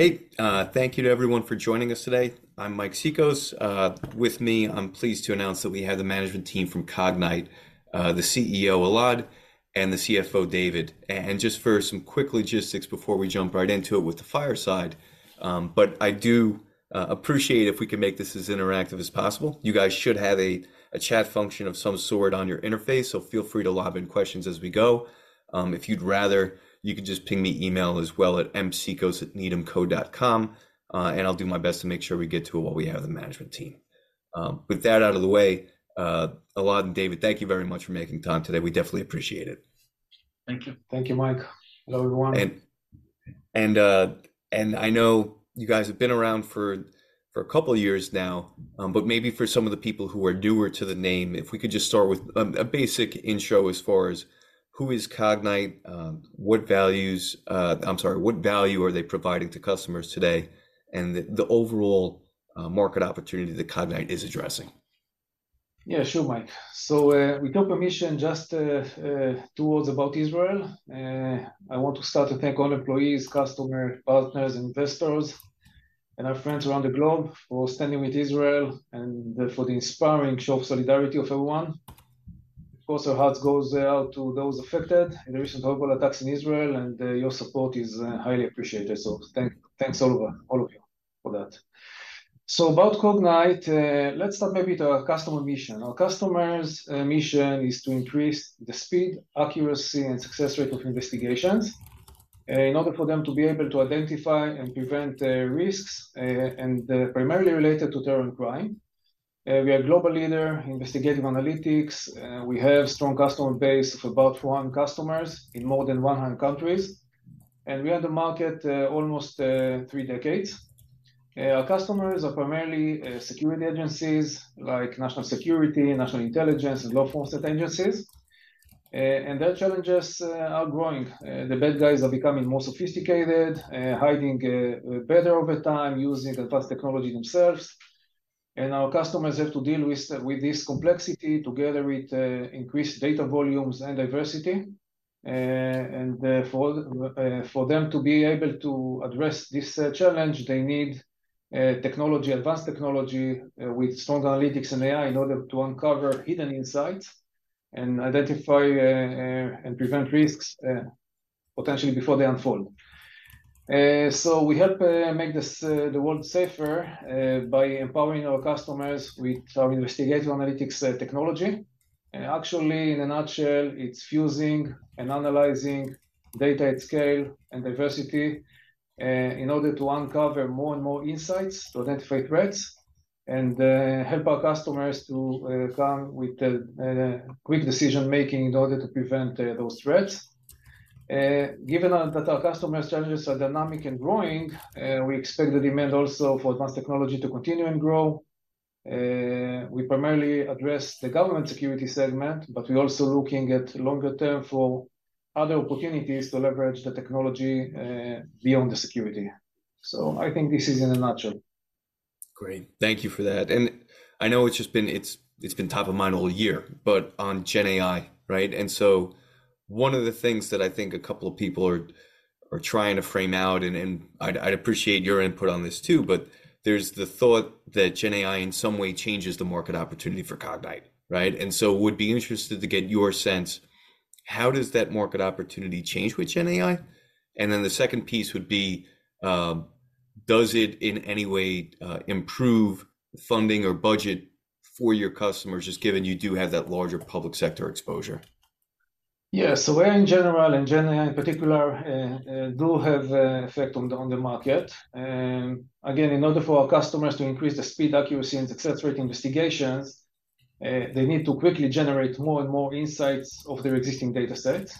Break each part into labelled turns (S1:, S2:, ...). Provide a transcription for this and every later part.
S1: Hey, thank you to everyone for joining us today. I'm Mike Cikos, with me, I'm pleased to announce that we have the management team from Cognyte, the CEO, Elad, and the CFO, David. And just for some quick logistics before we jump right into it with the fireside, but I do appreciate if we can make this as interactive as possible. You guys should have a chat function of some sort on your interface, so feel free to lob in questions as we go. If you'd rather, you can just ping me email as well at mcikos@needhamco.com, and I'll do my best to make sure we get to while we have the management team. With that out of the way, Elad and David, thank you very much for making time today. We definitely appreciate it.
S2: Thank you.
S3: Thank you, Mike. Hello, everyone.
S1: And I know you guys have been around for a couple of years now, but maybe for some of the people who are newer to the name, if we could just start with a basic intro as far as who is Cognyte, what value are they providing to customers today, and the overall market opportunity that Cognyte is addressing?
S3: Yeah, sure, Mike. So, with your permission, just, two words about Israel. I want to start to thank all employees, customer, partners, investors, and our friends around the globe for standing with Israel and for the inspiring show of solidarity of everyone, of course, our hearts goes out to those affected in the recent horrible attacks in Israel, and your support is highly appreciated. So thanks all of you, all of you for that. So about Cognyte, let's start maybe with our customer mission. Our customer's mission is to increase the speed, accuracy, and success rate of investigations, in order for them to be able to identify and prevent risks, and primarily related to terror and crime. We are a global leader in investigative analytics, and we have strong customer base of about 400 customers in more than 100 countries, and we are in the market almost three decades. Our customers are primarily security agencies like national security, national intelligence, and law enforcement agencies, and their challenges are growing. The bad guys are becoming more sophisticated, hiding better over time, using advanced technology themselves. And our customers have to deal with this complexity together with increased data volumes and diversity. And for them to be able to address this challenge, they need technology, advanced technology with strong analytics and AI in order to uncover hidden insights and identify and prevent risks potentially before they unfold. So we help make the world safer by empowering our customers with our investigative analytics technology. Actually, in a nutshell, it's fusing and analyzing data at scale and diversity in order to uncover more and more insights to identify threats and help our customers to come with quick decision-making in order to prevent those threats. Given that our customers' challenges are dynamic and growing, we expect the demand also for advanced technology to continue and grow. We primarily address the government security segment, but we're also looking at longer term for other opportunities to leverage the technology beyond the security. So I think this is in a nutshell.
S1: Great. Thank you for that. I know it's just been top of mind all year, but on GenAI, right? One of the things that I think a couple of people are trying to frame out, and I'd appreciate your input on this too, but there's the thought that GenAI, in some way, changes the market opportunity for Cognyte, right? Would be interested to get your sense, how does that market opportunity change with GenAI? The second piece would be, does it in any way improve funding or budget for your customers, just given you do have that larger public sector exposure?
S3: Yeah. So AI in general, and GenAI in particular, do have an effect on the market. Again, in order for our customers to increase the speed, accuracy, and success rate investigations, they need to quickly generate more and more insights of their existing dataset.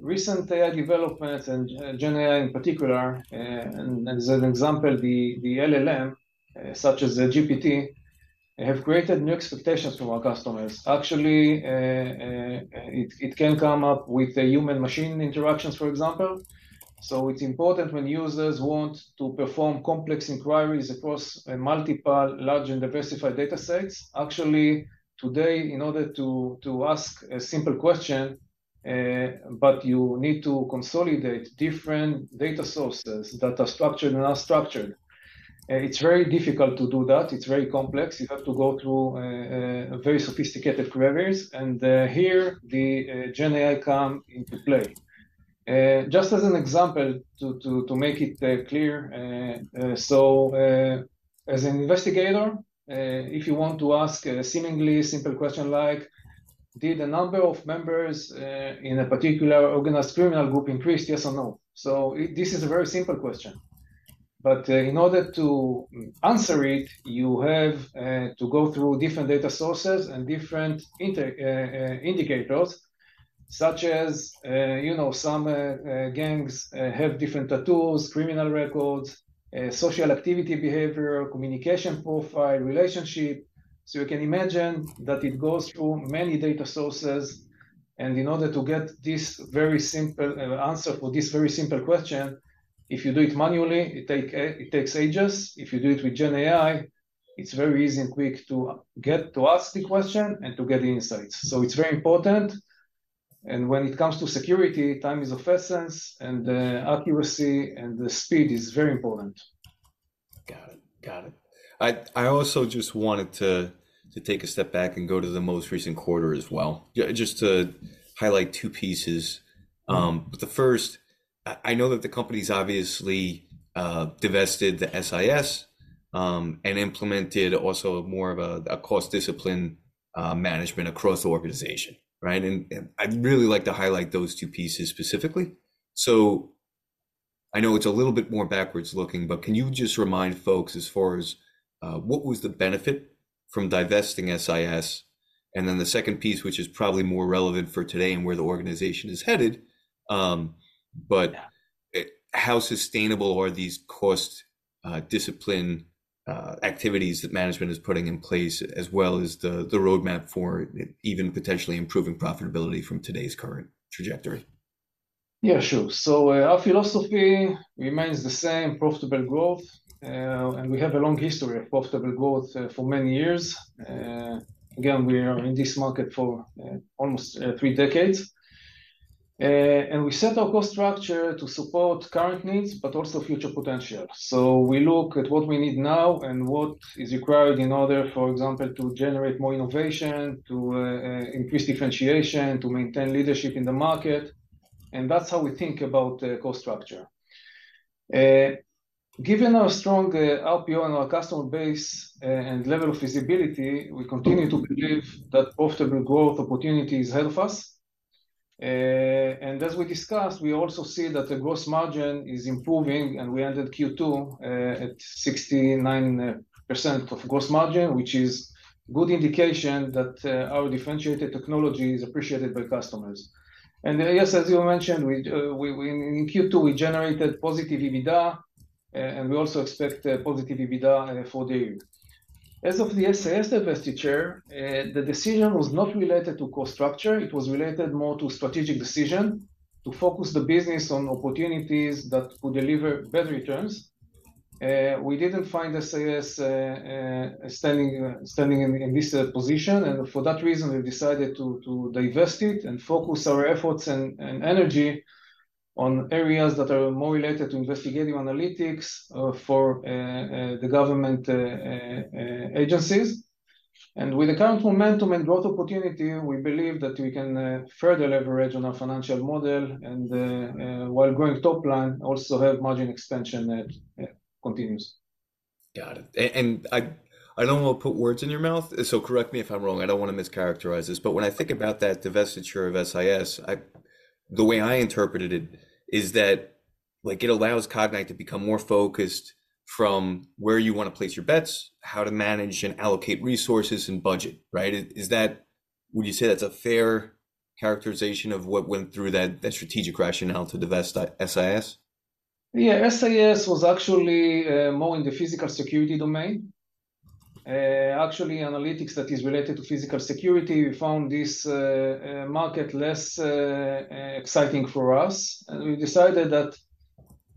S3: Recent AI developments and GenAI in particular, and as an example, the LLM such as the GPT, have created new expectations from our customers. Actually, it can come up with the human-machine interactions, for example. So it's important when users want to perform complex inquiries across multiple large and diversified datasets. Actually, today, in order to ask a simple question, but you need to consolidate different data sources that are structured and unstructured. It's very difficult to do that. It's very complex. You have to go through very sophisticated queries, and here the GenAI come into play. Just as an example to make it clear, so as an investigator, if you want to ask a seemingly simple question like: Did the number of members in a particular organized criminal group increase, yes or no? So this is a very simple question, but in order to answer it, you have to go through different data sources and different indicators, such as you know some gangs have different tattoos, criminal records, social activity behavior, communication profile, relationship. So you can imagine that it goes through many data sources, and in order to get this very simple answer for this very simple question, if you do it manually, it takes ages. If you do it with GenAI, it's very easy and quick to get to ask the question and to get the insights. So it's very important. And when it comes to security, time is of essence, and accuracy and the speed is very important.
S1: Got it. Got it. I also just wanted to take a step back and go to the most recent quarter as well. Yeah, just to highlight two pieces. But the first, I know that the company's obviously divested the SIS and implemented also more of a cost discipline management across the organization, right? And I'd really like to highlight those two pieces specifically. So I know it's a little bit more backwards-looking, but can you just remind folks as far as what was the benefit from divesting SIS? And then the second piece, which is probably more relevant for today and where the organization is headed, but how sustainable are these cost discipline activities that management is putting in place, as well as the roadmap for even potentially improving profitability from today's current trajectory?
S3: Yeah, sure. So, our philosophy remains the same, profitable growth, and we have a long history of profitable growth, for many years. Again, we are in this market for almost three decades. And we set our cost structure to support current needs, but also future potential. So we look at what we need now and what is required in order, for example, to generate more innovation, to increase differentiation, to maintain leadership in the market, and that's how we think about the cost structure. Given our strong RPO and our customer base, and level of visibility, we continue to believe that profitable growth opportunities help us. And as we discussed, we also see that the gross margin is improving, and we ended Q2 at 69% of gross margin, which is good indication that our differentiated technology is appreciated by customers. And, yes, as you mentioned, we in Q2 generated positive EBITDA, and we also expect positive EBITDA for the year. As of the SIS divestiture, the decision was not related to cost structure, it was related more to strategic decision, to focus the business on opportunities that would deliver better returns. We didn't find the SIS standing in this position, and for that reason, we decided to divest it and focus our efforts and energy on areas that are more related to investigative analytics for the government agencies. And with the current momentum and growth opportunity, we believe that we can further leverage on our financial model, and while growing top line, also have margin expansion that continues.
S1: Got it. And I don't wanna put words in your mouth, so correct me if I'm wrong. I don't wanna mischaracterize this. But when I think about that divestiture of SIS, the way I interpreted it is that, like, it allows Cognyte to become more focused from where you wanna place your bets, how to manage and allocate resources and budget, right? Is that, would you say that's a fair characterization of what went through that, that strategic rationale to divest SIS?
S3: Yeah, SIS was actually more in the physical security domain. Actually, analytics that is related to physical security, we found this market less exciting for us. And we decided that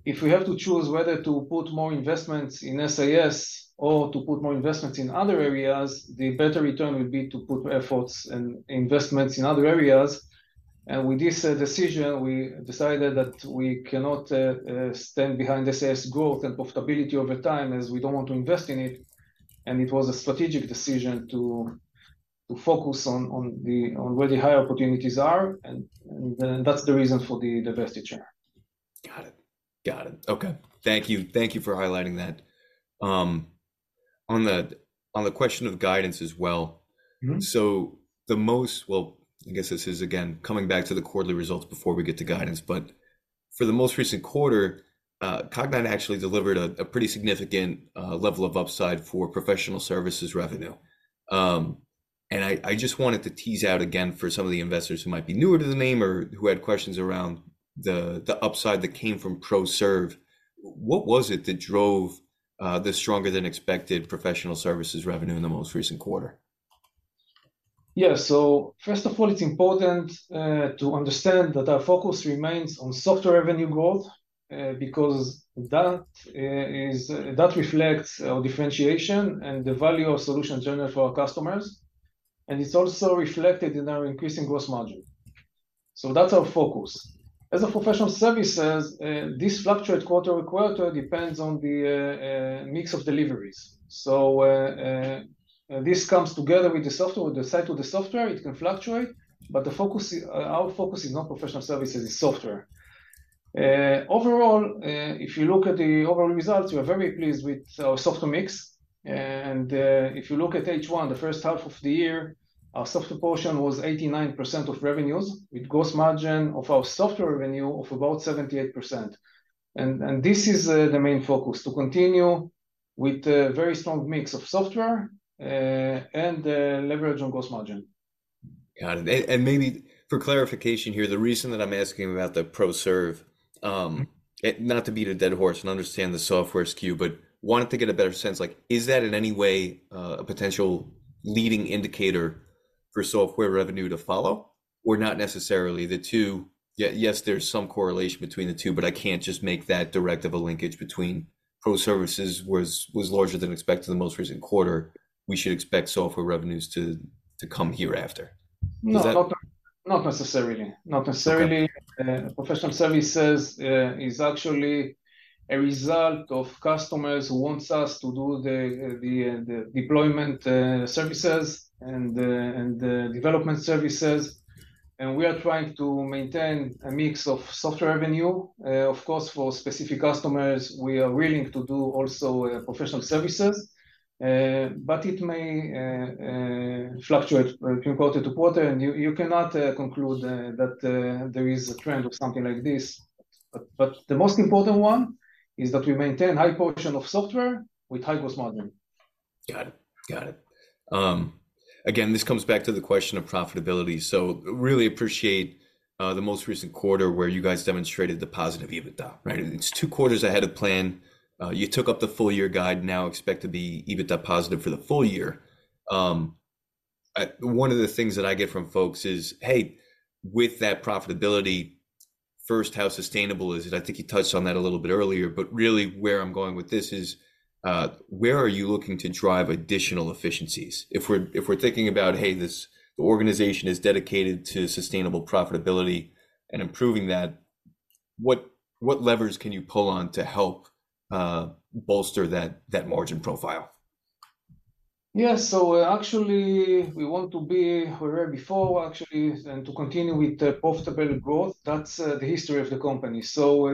S3: if we have to choose whether to put more investments in SIS or to put more investments in other areas, the better return would be to put efforts and investments in other areas. And with this decision, we decided that we cannot stand behind the SIS growth and profitability over time, as we don't want to invest in it. And it was a strategic decision to focus on where the higher opportunities are, and that's the reason for the divestiture.
S1: Got it. Got it. Okay, thank you. Thank you for highlighting that. On the question of guidance as well-
S3: Mm-hmm.
S1: So the most, well, I guess this is, again, coming back to the quarterly results before we get to guidance, but for the most recent quarter, Cognyte actually delivered a pretty significant level of upside for professional services revenue. And I just wanted to tease out again for some of the investors who might be newer to the name or who had questions around the upside that came from ProServ. What was it that drove the stronger-than-expected professional services revenue in the most recent quarter?
S3: Yeah. So first of all, it's important to understand that our focus remains on software revenue growth, because that is that reflects our differentiation and the value of solutions generated for our customers, and it's also reflected in our increasing gross margin. So that's our focus, as for professional services, this fluctuate quarter to quarter, depends on the mix of deliveries. So, this comes together with the software, the site of the software, it can fluctuate, but the focus, our focus is not professional services, it's software. Overall, if you look at the overall results, we are very pleased with our software mix. And, if you look at H1, the first half of the year, our software portion was 89% of revenues, with gross margin of our software revenue of about 78%. And this is the main focus, to continue with the very strong mix of software and leverage on gross margin.
S1: Got it. And maybe for clarification here, the reason that I'm asking about the ProServ, not to beat a dead horse and understand the software SKU, but wanted to get a better sense, like, is that in any way a potential leading indicator for software revenue to follow? Or not necessarily the two., yeah, yes, there's some correlation between the two, but I can't just make that direct of a linkage between Pro Services was larger than expected in the most recent quarter, we should expect software revenues to come hereafter? Is that-
S3: No, not, not necessarily. Not necessarily.
S1: Okay.
S3: Professional services is actually a result of customers who wants us to do the deployment services and the development services, and we are trying to maintain a mix of software revenue. Of course, for specific customers, we are willing to do also professional services. But it may fluctuate from quarter to quarter, and you cannot conclude that there is a trend of something like this. But the most important one is that we maintain high portion of software with high gross margin.
S1: Got it. Got it. Again, this comes back to the question of profitability. So really appreciate the most recent quarter where you guys demonstrated the positive EBITDA, right? It's two quarters ahead of plan, you took up the full year guide, now expect to be EBITDA positive for the full year. One of the things that I get from folks is, hey, with that profitability, first, how sustainable is it? I think you touched on that a little bit earlier, but really where I'm going with this is, where are you looking to drive additional efficiencies? If we're thinking about, hey, this organization is dedicated to sustainable profitability and improving that, what levers can you pull on to help bolster that margin profile?
S3: Yeah. So actually, we want to be where we were before, actually, and to continue with the profitable growth. That's the history of the company. So,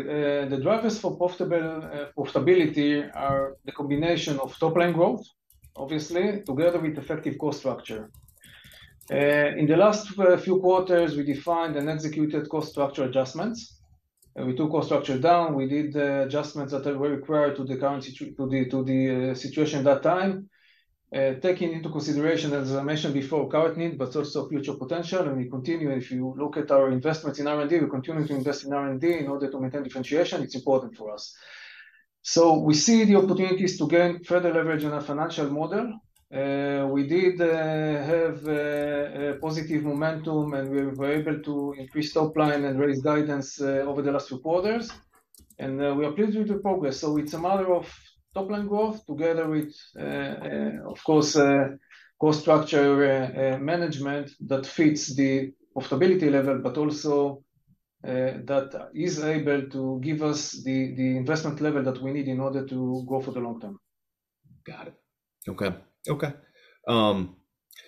S3: the drivers for profitable profitability are the combination of top-line growth, obviously, together with effective cost structure. In the last few quarters, we defined and executed cost structure adjustments. We took cost structure down, we did the adjustments that were required to the current situation at that time. Taking into consideration, as I mentioned before, current need, but also future potential. And we continue, if you look at our investments in R&D, we continue to invest in R&D in order to maintain differentiation. It's important for us. So we see the opportunities to gain further leverage on our financial model. We did have positive momentum, and we were able to increase top line and raise guidance over the last two quarters. And we are pleased with the progress. So it's a matter of top-line growth together with, of course, cost structure management that fits the profitability level, but also that is able to give us the investment level that we need in order to go for the long term.
S1: Got it. Okay. Okay.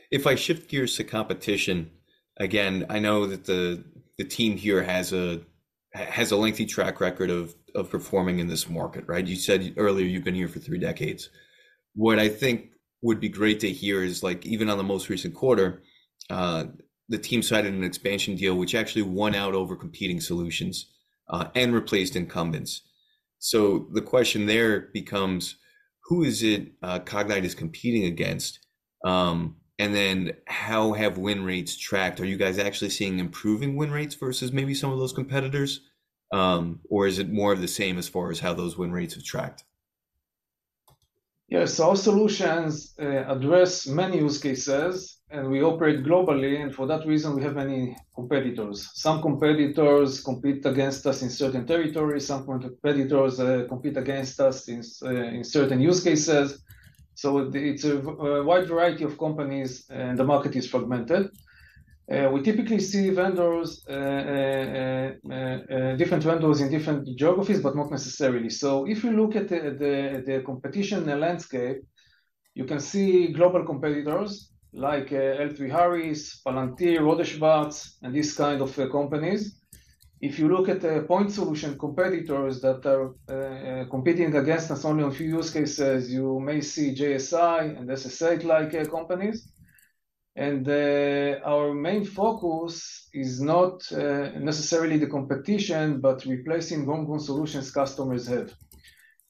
S1: If I shift gears to competition, again, I know that the team here has a lengthy track record of performing in this market, right? You said earlier you've been here for three decades. What I think would be great to hear is, like, even on the most recent quarter, the team cited an expansion deal, which actually won out over competing solutions and replaced incumbents. So the question there becomes: Who is it, Cognyte is competing against? And then, how have win rates tracked? Are you guys actually seeing improving win rates versus maybe some of those competitors? Or is it more of the same as far as how those win rates have tracked?
S3: Yes. So our solutions address many use cases, and we operate globally, and for that reason, we have many competitors. Some competitors compete against us in certain territories, some competitors compete against us in certain use cases. So it's a wide variety of companies, and the market is fragmented. We typically see different vendors in different geographies, but not necessarily. So if you look at the competition landscape, you can see global competitors like L3Harris, Palantir, Rohde & Schwarz, and these kind of companies. If you look at the point solution competitors that are competing against us only on a few use cases, you may see JSI and SS8-like companies. And our main focus is not necessarily the competition, but replacing homegrown solutions customers have.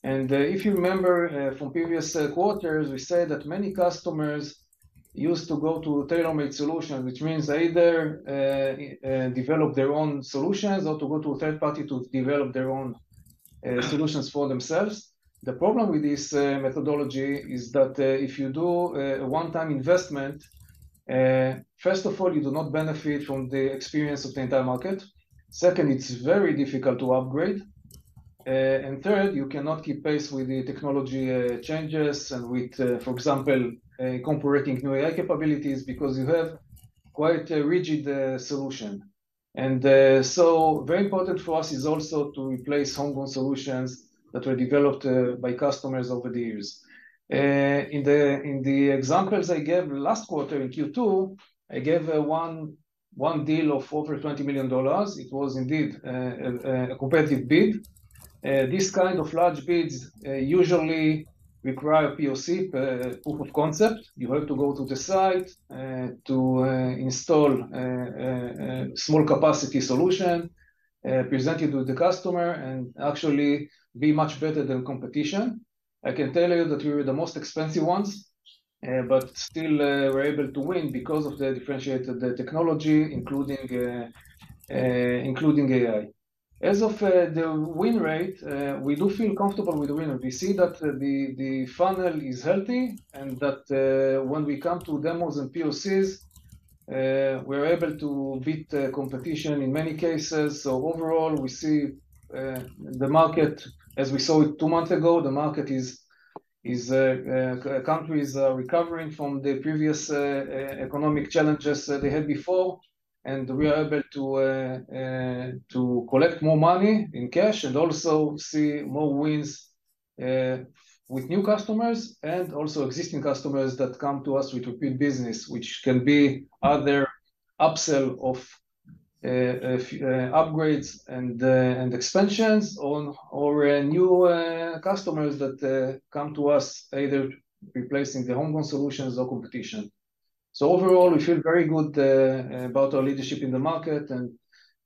S3: And if you remember from previous quarters, we said that many customers used to go to tailor-made solution, which means they either develop their own solutions or to go to a third party to develop their own solutions for themselves. The problem with this methodology is that if you do a one-time investment, first of all, you do not benefit from the experience of the entire market. Second, it's very difficult to upgrade. And third, you cannot keep pace with the technology changes and with, for example, incorporating new AI capabilities, because you have quite a rigid solution. So very important for us is also to replace homegrown solutions that were developed by customers over the years. In the examples I gave last quarter in Q2, I gave one deal of over $20 million. It was indeed a competitive bid. This kind of large bids usually require a POC, proof of concept. You have to go to the site to install a small capacity solution, present it to the customer, and actually be much better than competition. I can tell you that we were the most expensive ones, but still, we're able to win because of the differentiated technology, including AI. As of the win rate, we do feel comfortable with the win rate. We see that the funnel is healthy, and that when we come to demos and POCs, we're able to beat the competition in many cases. So overall, we see the market as we saw it two months ago, the market is countries are recovering from the previous economic challenges that they had before, and we are able to to collect more money in cash and also see more wins with new customers and also existing customers that come to us with repeat business, which can be either upsell of upgrades and and expansions or or new customers that come to us either replacing their homegrown solutions or competition. So overall, we feel very good about our leadership in the market, and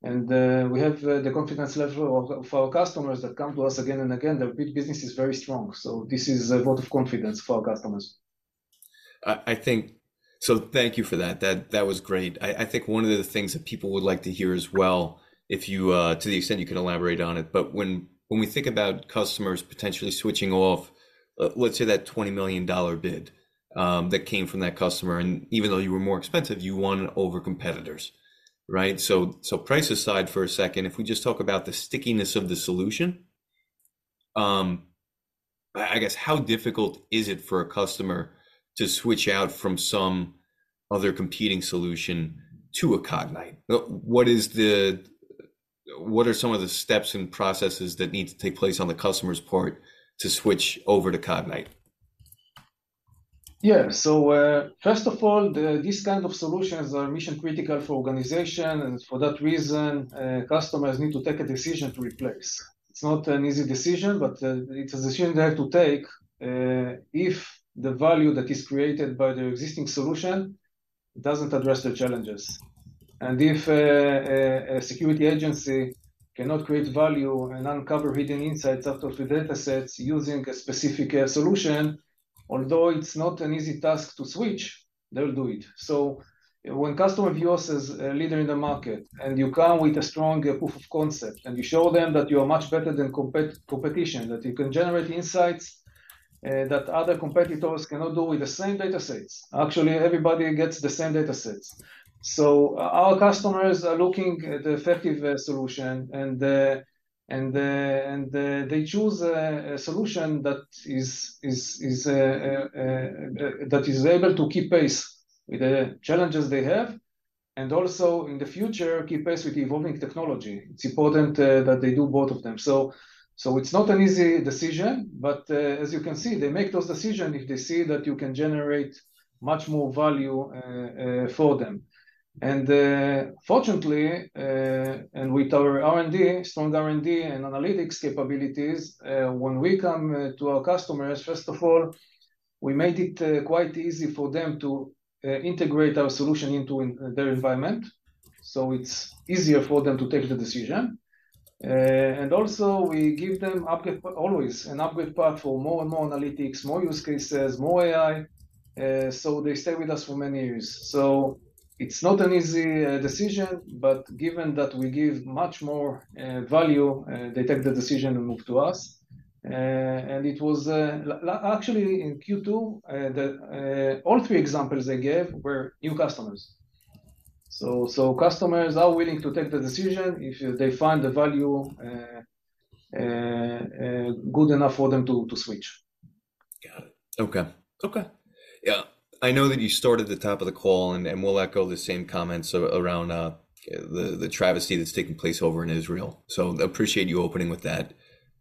S3: and we have the confidence level of of our customers that come to us again and again. The repeat business is very strong, so this is a vote of confidence for our customers.
S1: I think. So thank you for that. That was great. I think one of the things that people would like to hear as well, if you, to the extent you can elaborate on it, but when we think about customers potentially switching off, let's say that $20 million bid, that came from that customer, and even though you were more expensive, you won over competitors, right? So price aside for a second, if we just talk about the stickiness of the solution, I guess, how difficult is it for a customer to switch out from some other competing solution to a Cognyte? What are some of the steps and processes that need to take place on the customer's part to switch over to Cognyte?
S3: Yeah. So, first of all, these kind of solutions are mission-critical for organization, and for that reason, customers need to take a decision to replace. It's not an easy decision, but it's a decision they have to take, if the value that is created by the existing solution doesn't address the challenges. And if a security agency cannot create value and uncover hidden insights out of the datasets using a specific solution, although it's not an easy task to switch, they'll do it. So when customer views us as a leader in the market, and you come with a strong proof of concept, and you show them that you are much better than competition, that you can generate insights that other competitors cannot do with the same datasets. Actually, everybody gets the same datasets. So our customers are looking at the effective solution, and they choose a solution that is able to keep pace with the challenges they have, and also in the future, keep pace with evolving technology. It's important that they do both of them. So it's not an easy decision, but as you can see, they make those decision if they see that you can generate much more value for them. And fortunately, and with our R&D, strong R&D and analytics capabilities, when we come to our customers, first of all, we made it quite easy for them to integrate our solution into their environment, so it's easier for them to take the decision. And also we give them upgrade path always an upgrade path for more and more analytics, more use cases, more AI, so they stay with us for many years. So it's not an easy decision, but given that we give much more value, they take the decision and move to us. And it was actually in Q2, the all three examples I gave were new customers. So customers are willing to take the decision if they find the value good enough for them to switch.
S1: Got it. Okay. Okay. Yeah, I know that you started the top of the call, and we'll echo the same comments around the travesty that's taking place over in Israel, so appreciate you opening with that.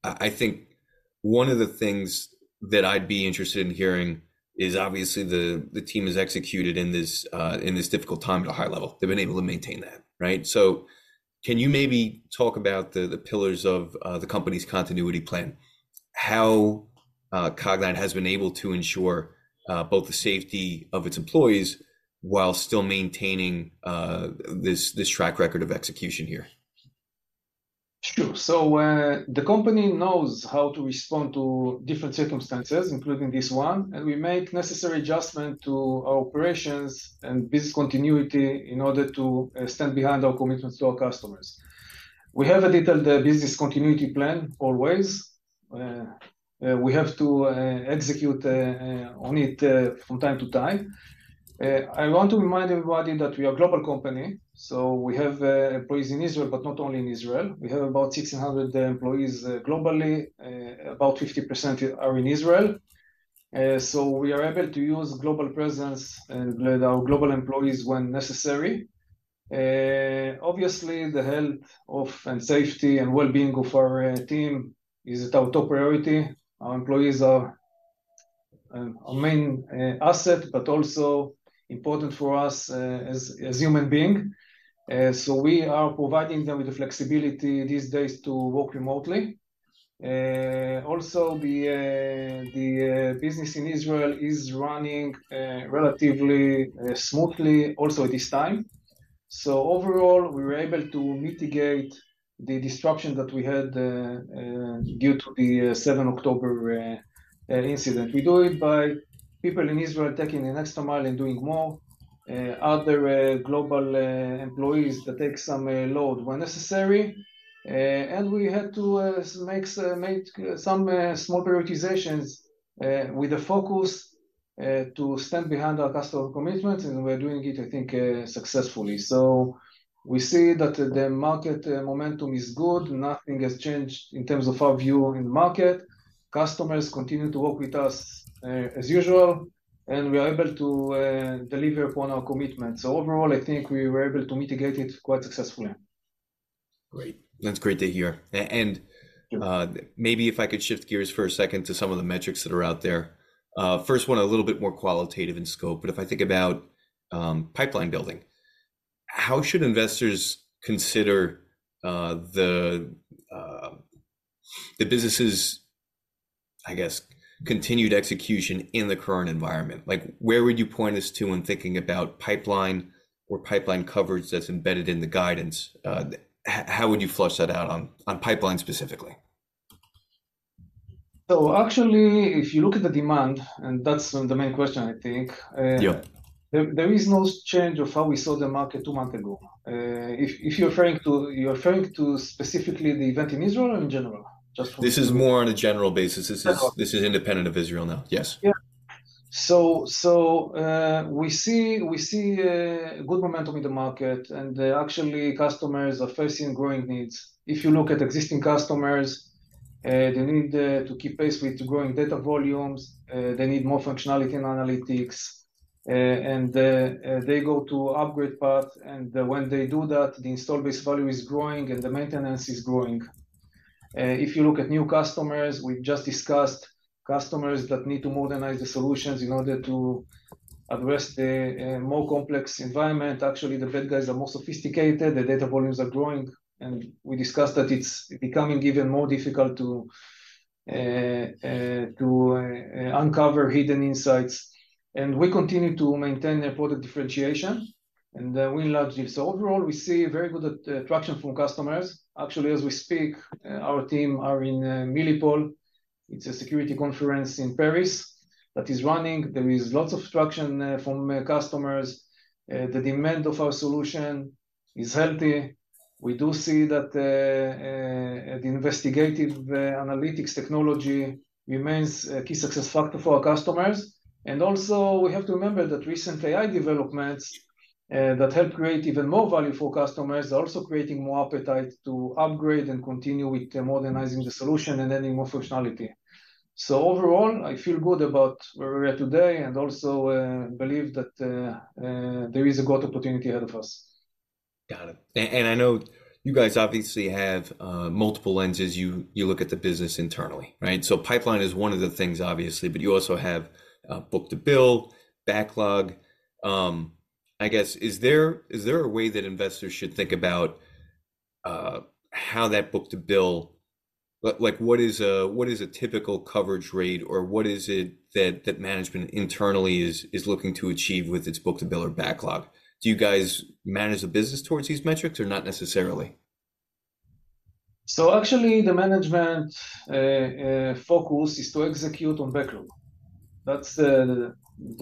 S1: I think one of the things that I'd be interested in hearing is obviously the team has executed in this difficult time at a high level. They've been able to maintain that, right? So can you maybe talk about the pillars of the company's continuity plan, how Cognyte has been able to ensure both the safety of its employees, while still maintaining this track record of execution here?
S3: Sure. So, the company knows how to respond to different circumstances, including this one, and we make necessary adjustment to our operations and business continuity in order to stand behind our commitments to our customers. We have a detailed business continuity plan, always. We have to execute on it from time to time. I want to remind everybody that we are a global company, so we have employees in Israel, but not only in Israel. We have about 1,600 employees globally, about 50% are in Israel. So we are able to use global presence with our global employees when necessary. Obviously, the health of, and safety and wellbeing of our team is our top priority. Our employees are our main asset, but also important for us as human being. So we are providing them with the flexibility these days to work remotely. Also, the business in Israel is running relatively smoothly also at this time. So overall, we were able to mitigate the disruption that we had due to the 7 October incident. We do it by people in Israel taking the extra mile and doing more, other global employees that take some load when necessary. And we had to make some small prioritizations with the focus to stand behind our customer commitments, and we're doing it, I think, successfully. So we see that the market momentum is good. Nothing has changed in terms of our view in the market. Customers continue to work with us, as usual, and we are able to deliver upon our commitments. So overall, I think we were able to mitigate it quite successfully.
S1: Great. That's great to hear. And maybe if I could shift gears for a second to some of the metrics that are out there. First one, a little bit more qualitative in scope, but if I think about pipeline building, how should investors consider the business's, I guess, continued execution in the current environment? Like, where would you point us to when thinking about pipeline or pipeline coverage that's embedded in the guidance? How would you flesh that out on pipeline specifically?
S3: Actually, if you look at the demand, and that's the main question, I think,
S1: Yeah
S3: There is no change of how we saw the market two months ago. If you're referring to specifically the event in Israel or in general? Just for-
S1: This is more on a general basis.
S3: Okay.
S1: This is independent of Israel now. Yes.
S3: Yeah. So we see good momentum in the market, and actually, customers are facing growing needs. If you look at existing customers, they need to keep pace with growing data volumes, they need more functionality and analytics, and they go to upgrade path, and when they do that, the install base volume is growing, and the maintenance is growing. If you look at new customers, we've just discussed customers that need to modernize the solutions in order to address the more complex environment. Actually, the bad guys are more sophisticated, the data volumes are growing, and we discussed that it's becoming even more difficult to uncover hidden insights. And we continue to maintain a product differentiation, and we love this. So overall, we see very good traction from customers. Actually, as we speak, our team are in Milipol. It's a security conference in Paris that is running. There is lots of traction from customers. The demand of our solution is healthy. We do see that the investigative analytics technology remains a key success factor for our customers. And also, we have to remember that recent AI developments that help create even more value for customers are also creating more appetite to upgrade and continue with the modernizing the solution and adding more functionality. So overall, I feel good about where we are today and also believe that there is a good opportunity ahead of us.
S1: Got it. And I know you guys obviously have multiple lenses you look at the business internally, right? So pipeline is one of the things, obviously, but you also have book-to-build, backlog. I guess, is there a way that investors should think about how that book-to-build, like, what is a typical coverage rate, or what is it that management internally is looking to achieve with its book-to-build or backlog? Do you guys manage the business towards these metrics or not necessarily?
S3: Actually, the management focus is to execute on backlog. That's the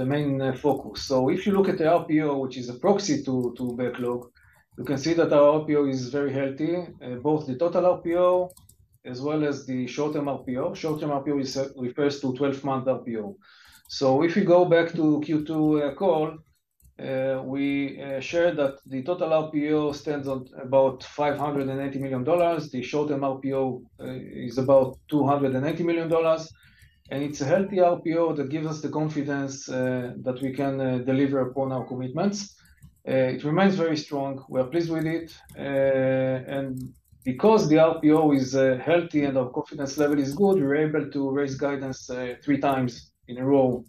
S3: main focus. So if you look at the RPO, which is a proxy to backlog, you can see that our RPO is very healthy, both the total RPO as well as the short-term RPO, short-term RPO refers to 12-month RPO. So if you go back to Q2 call, we shared that the total RPO stands on about $580 million. The Short-term RPO is about $280 million, and it's a healthy RPO that gives us the confidence that we can deliver upon our commitments. It remains very strong. We are pleased with it. And because the RPO is healthy and our confidence level is good, we're able to raise guidance three times in a row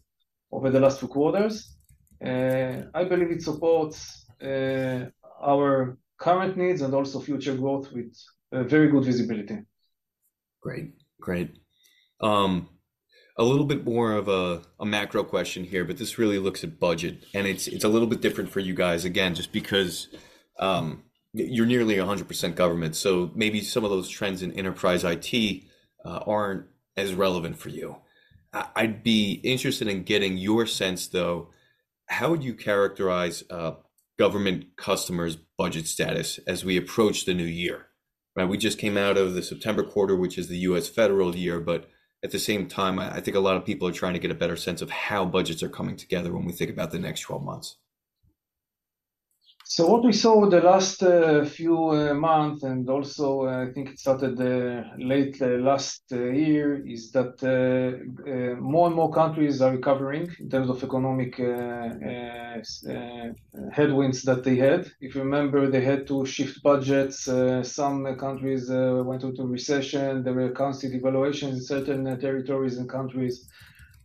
S3: over the last two quarters. I believe it supports our current needs and also future growth with very good visibility.
S1: Great. Great. A little bit more of a macro question here, but this really looks at budget, and it's a little bit different for you guys, again, just because you're nearly 100% government, so maybe some of those trends in enterprise IT aren't as relevant for you. I'd be interested in getting your sense, though, how would you characterize government customers' budget status as we approach the new year? Right, we just came out of the September quarter, which is the U.S. federal year, but at the same time, I think a lot of people are trying to get a better sense of how budgets are coming together when we think about the next twelve months.
S3: So what we saw over the last few months, and also, I think it started late last year, is that more and more countries are recovering in terms of economic headwinds that they had. If you remember, they had to shift budgets, some countries went into recession, there were constant evaluations in certain territories and countries.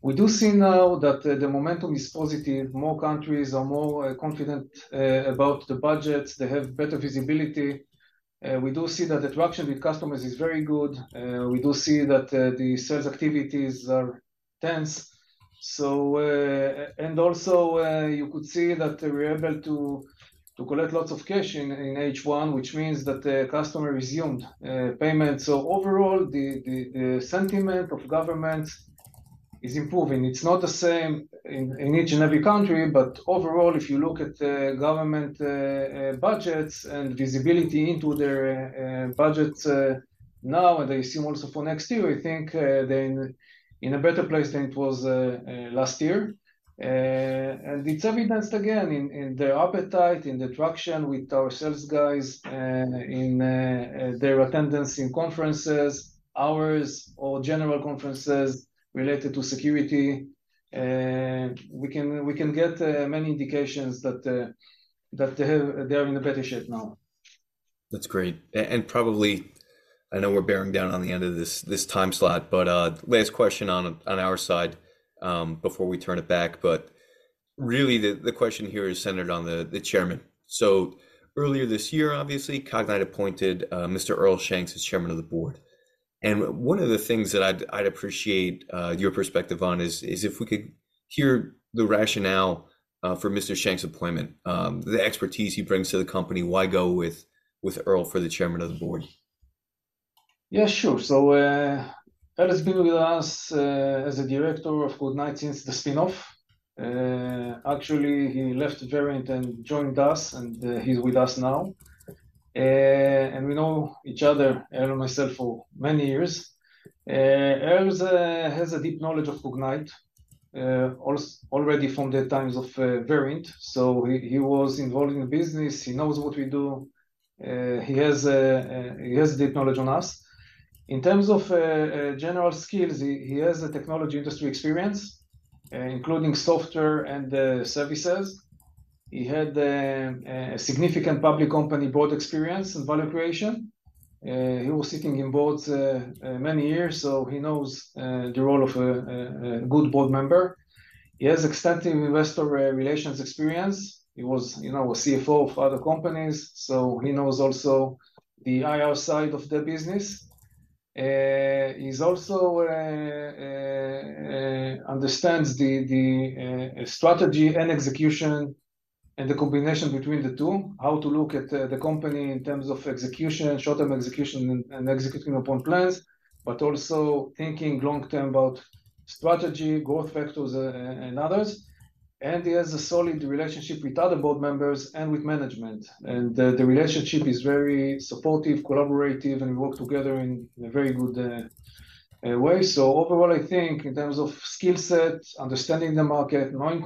S3: We do see now that the momentum is positive. More countries are more confident about the budgets. They have better visibility. We do see that the traction with customers is very good. We do see that the sales activities are tense. So, and also, you could see that we're able to collect lots of cash in H1, which means that the customer resumed payment. So overall, the sentiment of government is improving. It's not the same in each and every country, but overall, if you look at the government budgets and visibility into their budgets now and they see also for next year, I think, they're in a better place than it was last year. And it's evidenced again in the appetite, in the traction with our sales guys, and in their attendance in conferences, ours or general conferences related to security. And we can get many indications that they are in a better shape now.
S1: That's great. And probably, I know we're bearing down on the end of this time slot, but last question on our side before we turn it back. But really, the question here is centered on the chairman. So earlier this year, obviously, Cognyte appointed Mr. Earl Shanks as chairman of the board. And one of the things that I'd appreciate your perspective on is if we could hear the rationale for Mr. Shanks' appointment, the expertise he brings to the company, why go with Earl for the chairman of the board?
S3: Yeah, sure. So, Earl has been with us, as a director of Cognyte since the spin-off. Actually, he left Verint and joined us, and he's with us now. And we know each other, Earl and myself, for many years. Earl has a deep knowledge of Cognyte, already from the times of Verint. So he was involved in the business, he knows what we do, he has deep knowledge on us. In terms of general skills, he has a technology industry experience, including software and services. He had a significant public company board experience in value creation. He was sitting in boards many years, so he knows the role of a good board member. He has extensive investor relations experience. He was, you know, a CFO of other companies, so he knows also the IR side of the business. He's also understands the strategy and execution and the combination between the two, how to look at the company in terms of execution, short-term execution and executing upon plans, but also thinking long-term about strategy, growth factors, and others. And he has a solid relationship with other board members and with management, and the relationship is very supportive, collaborative, and we work together in a very good way. So overall, I think in terms of skill set, understanding the market, knowing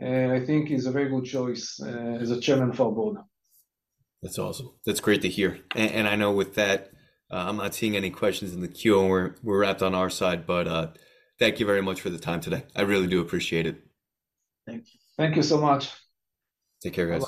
S3: Cognyte, I think he's a very good choice as a chairman for our board.
S1: That's awesome. That's great to hear. And I know with that, I'm not seeing any questions in the queue, and we're wrapped on our side, but thank you very much for the time today. I really do appreciate it.
S2: Thank you.
S3: Thank you so much.
S1: Take care, guys.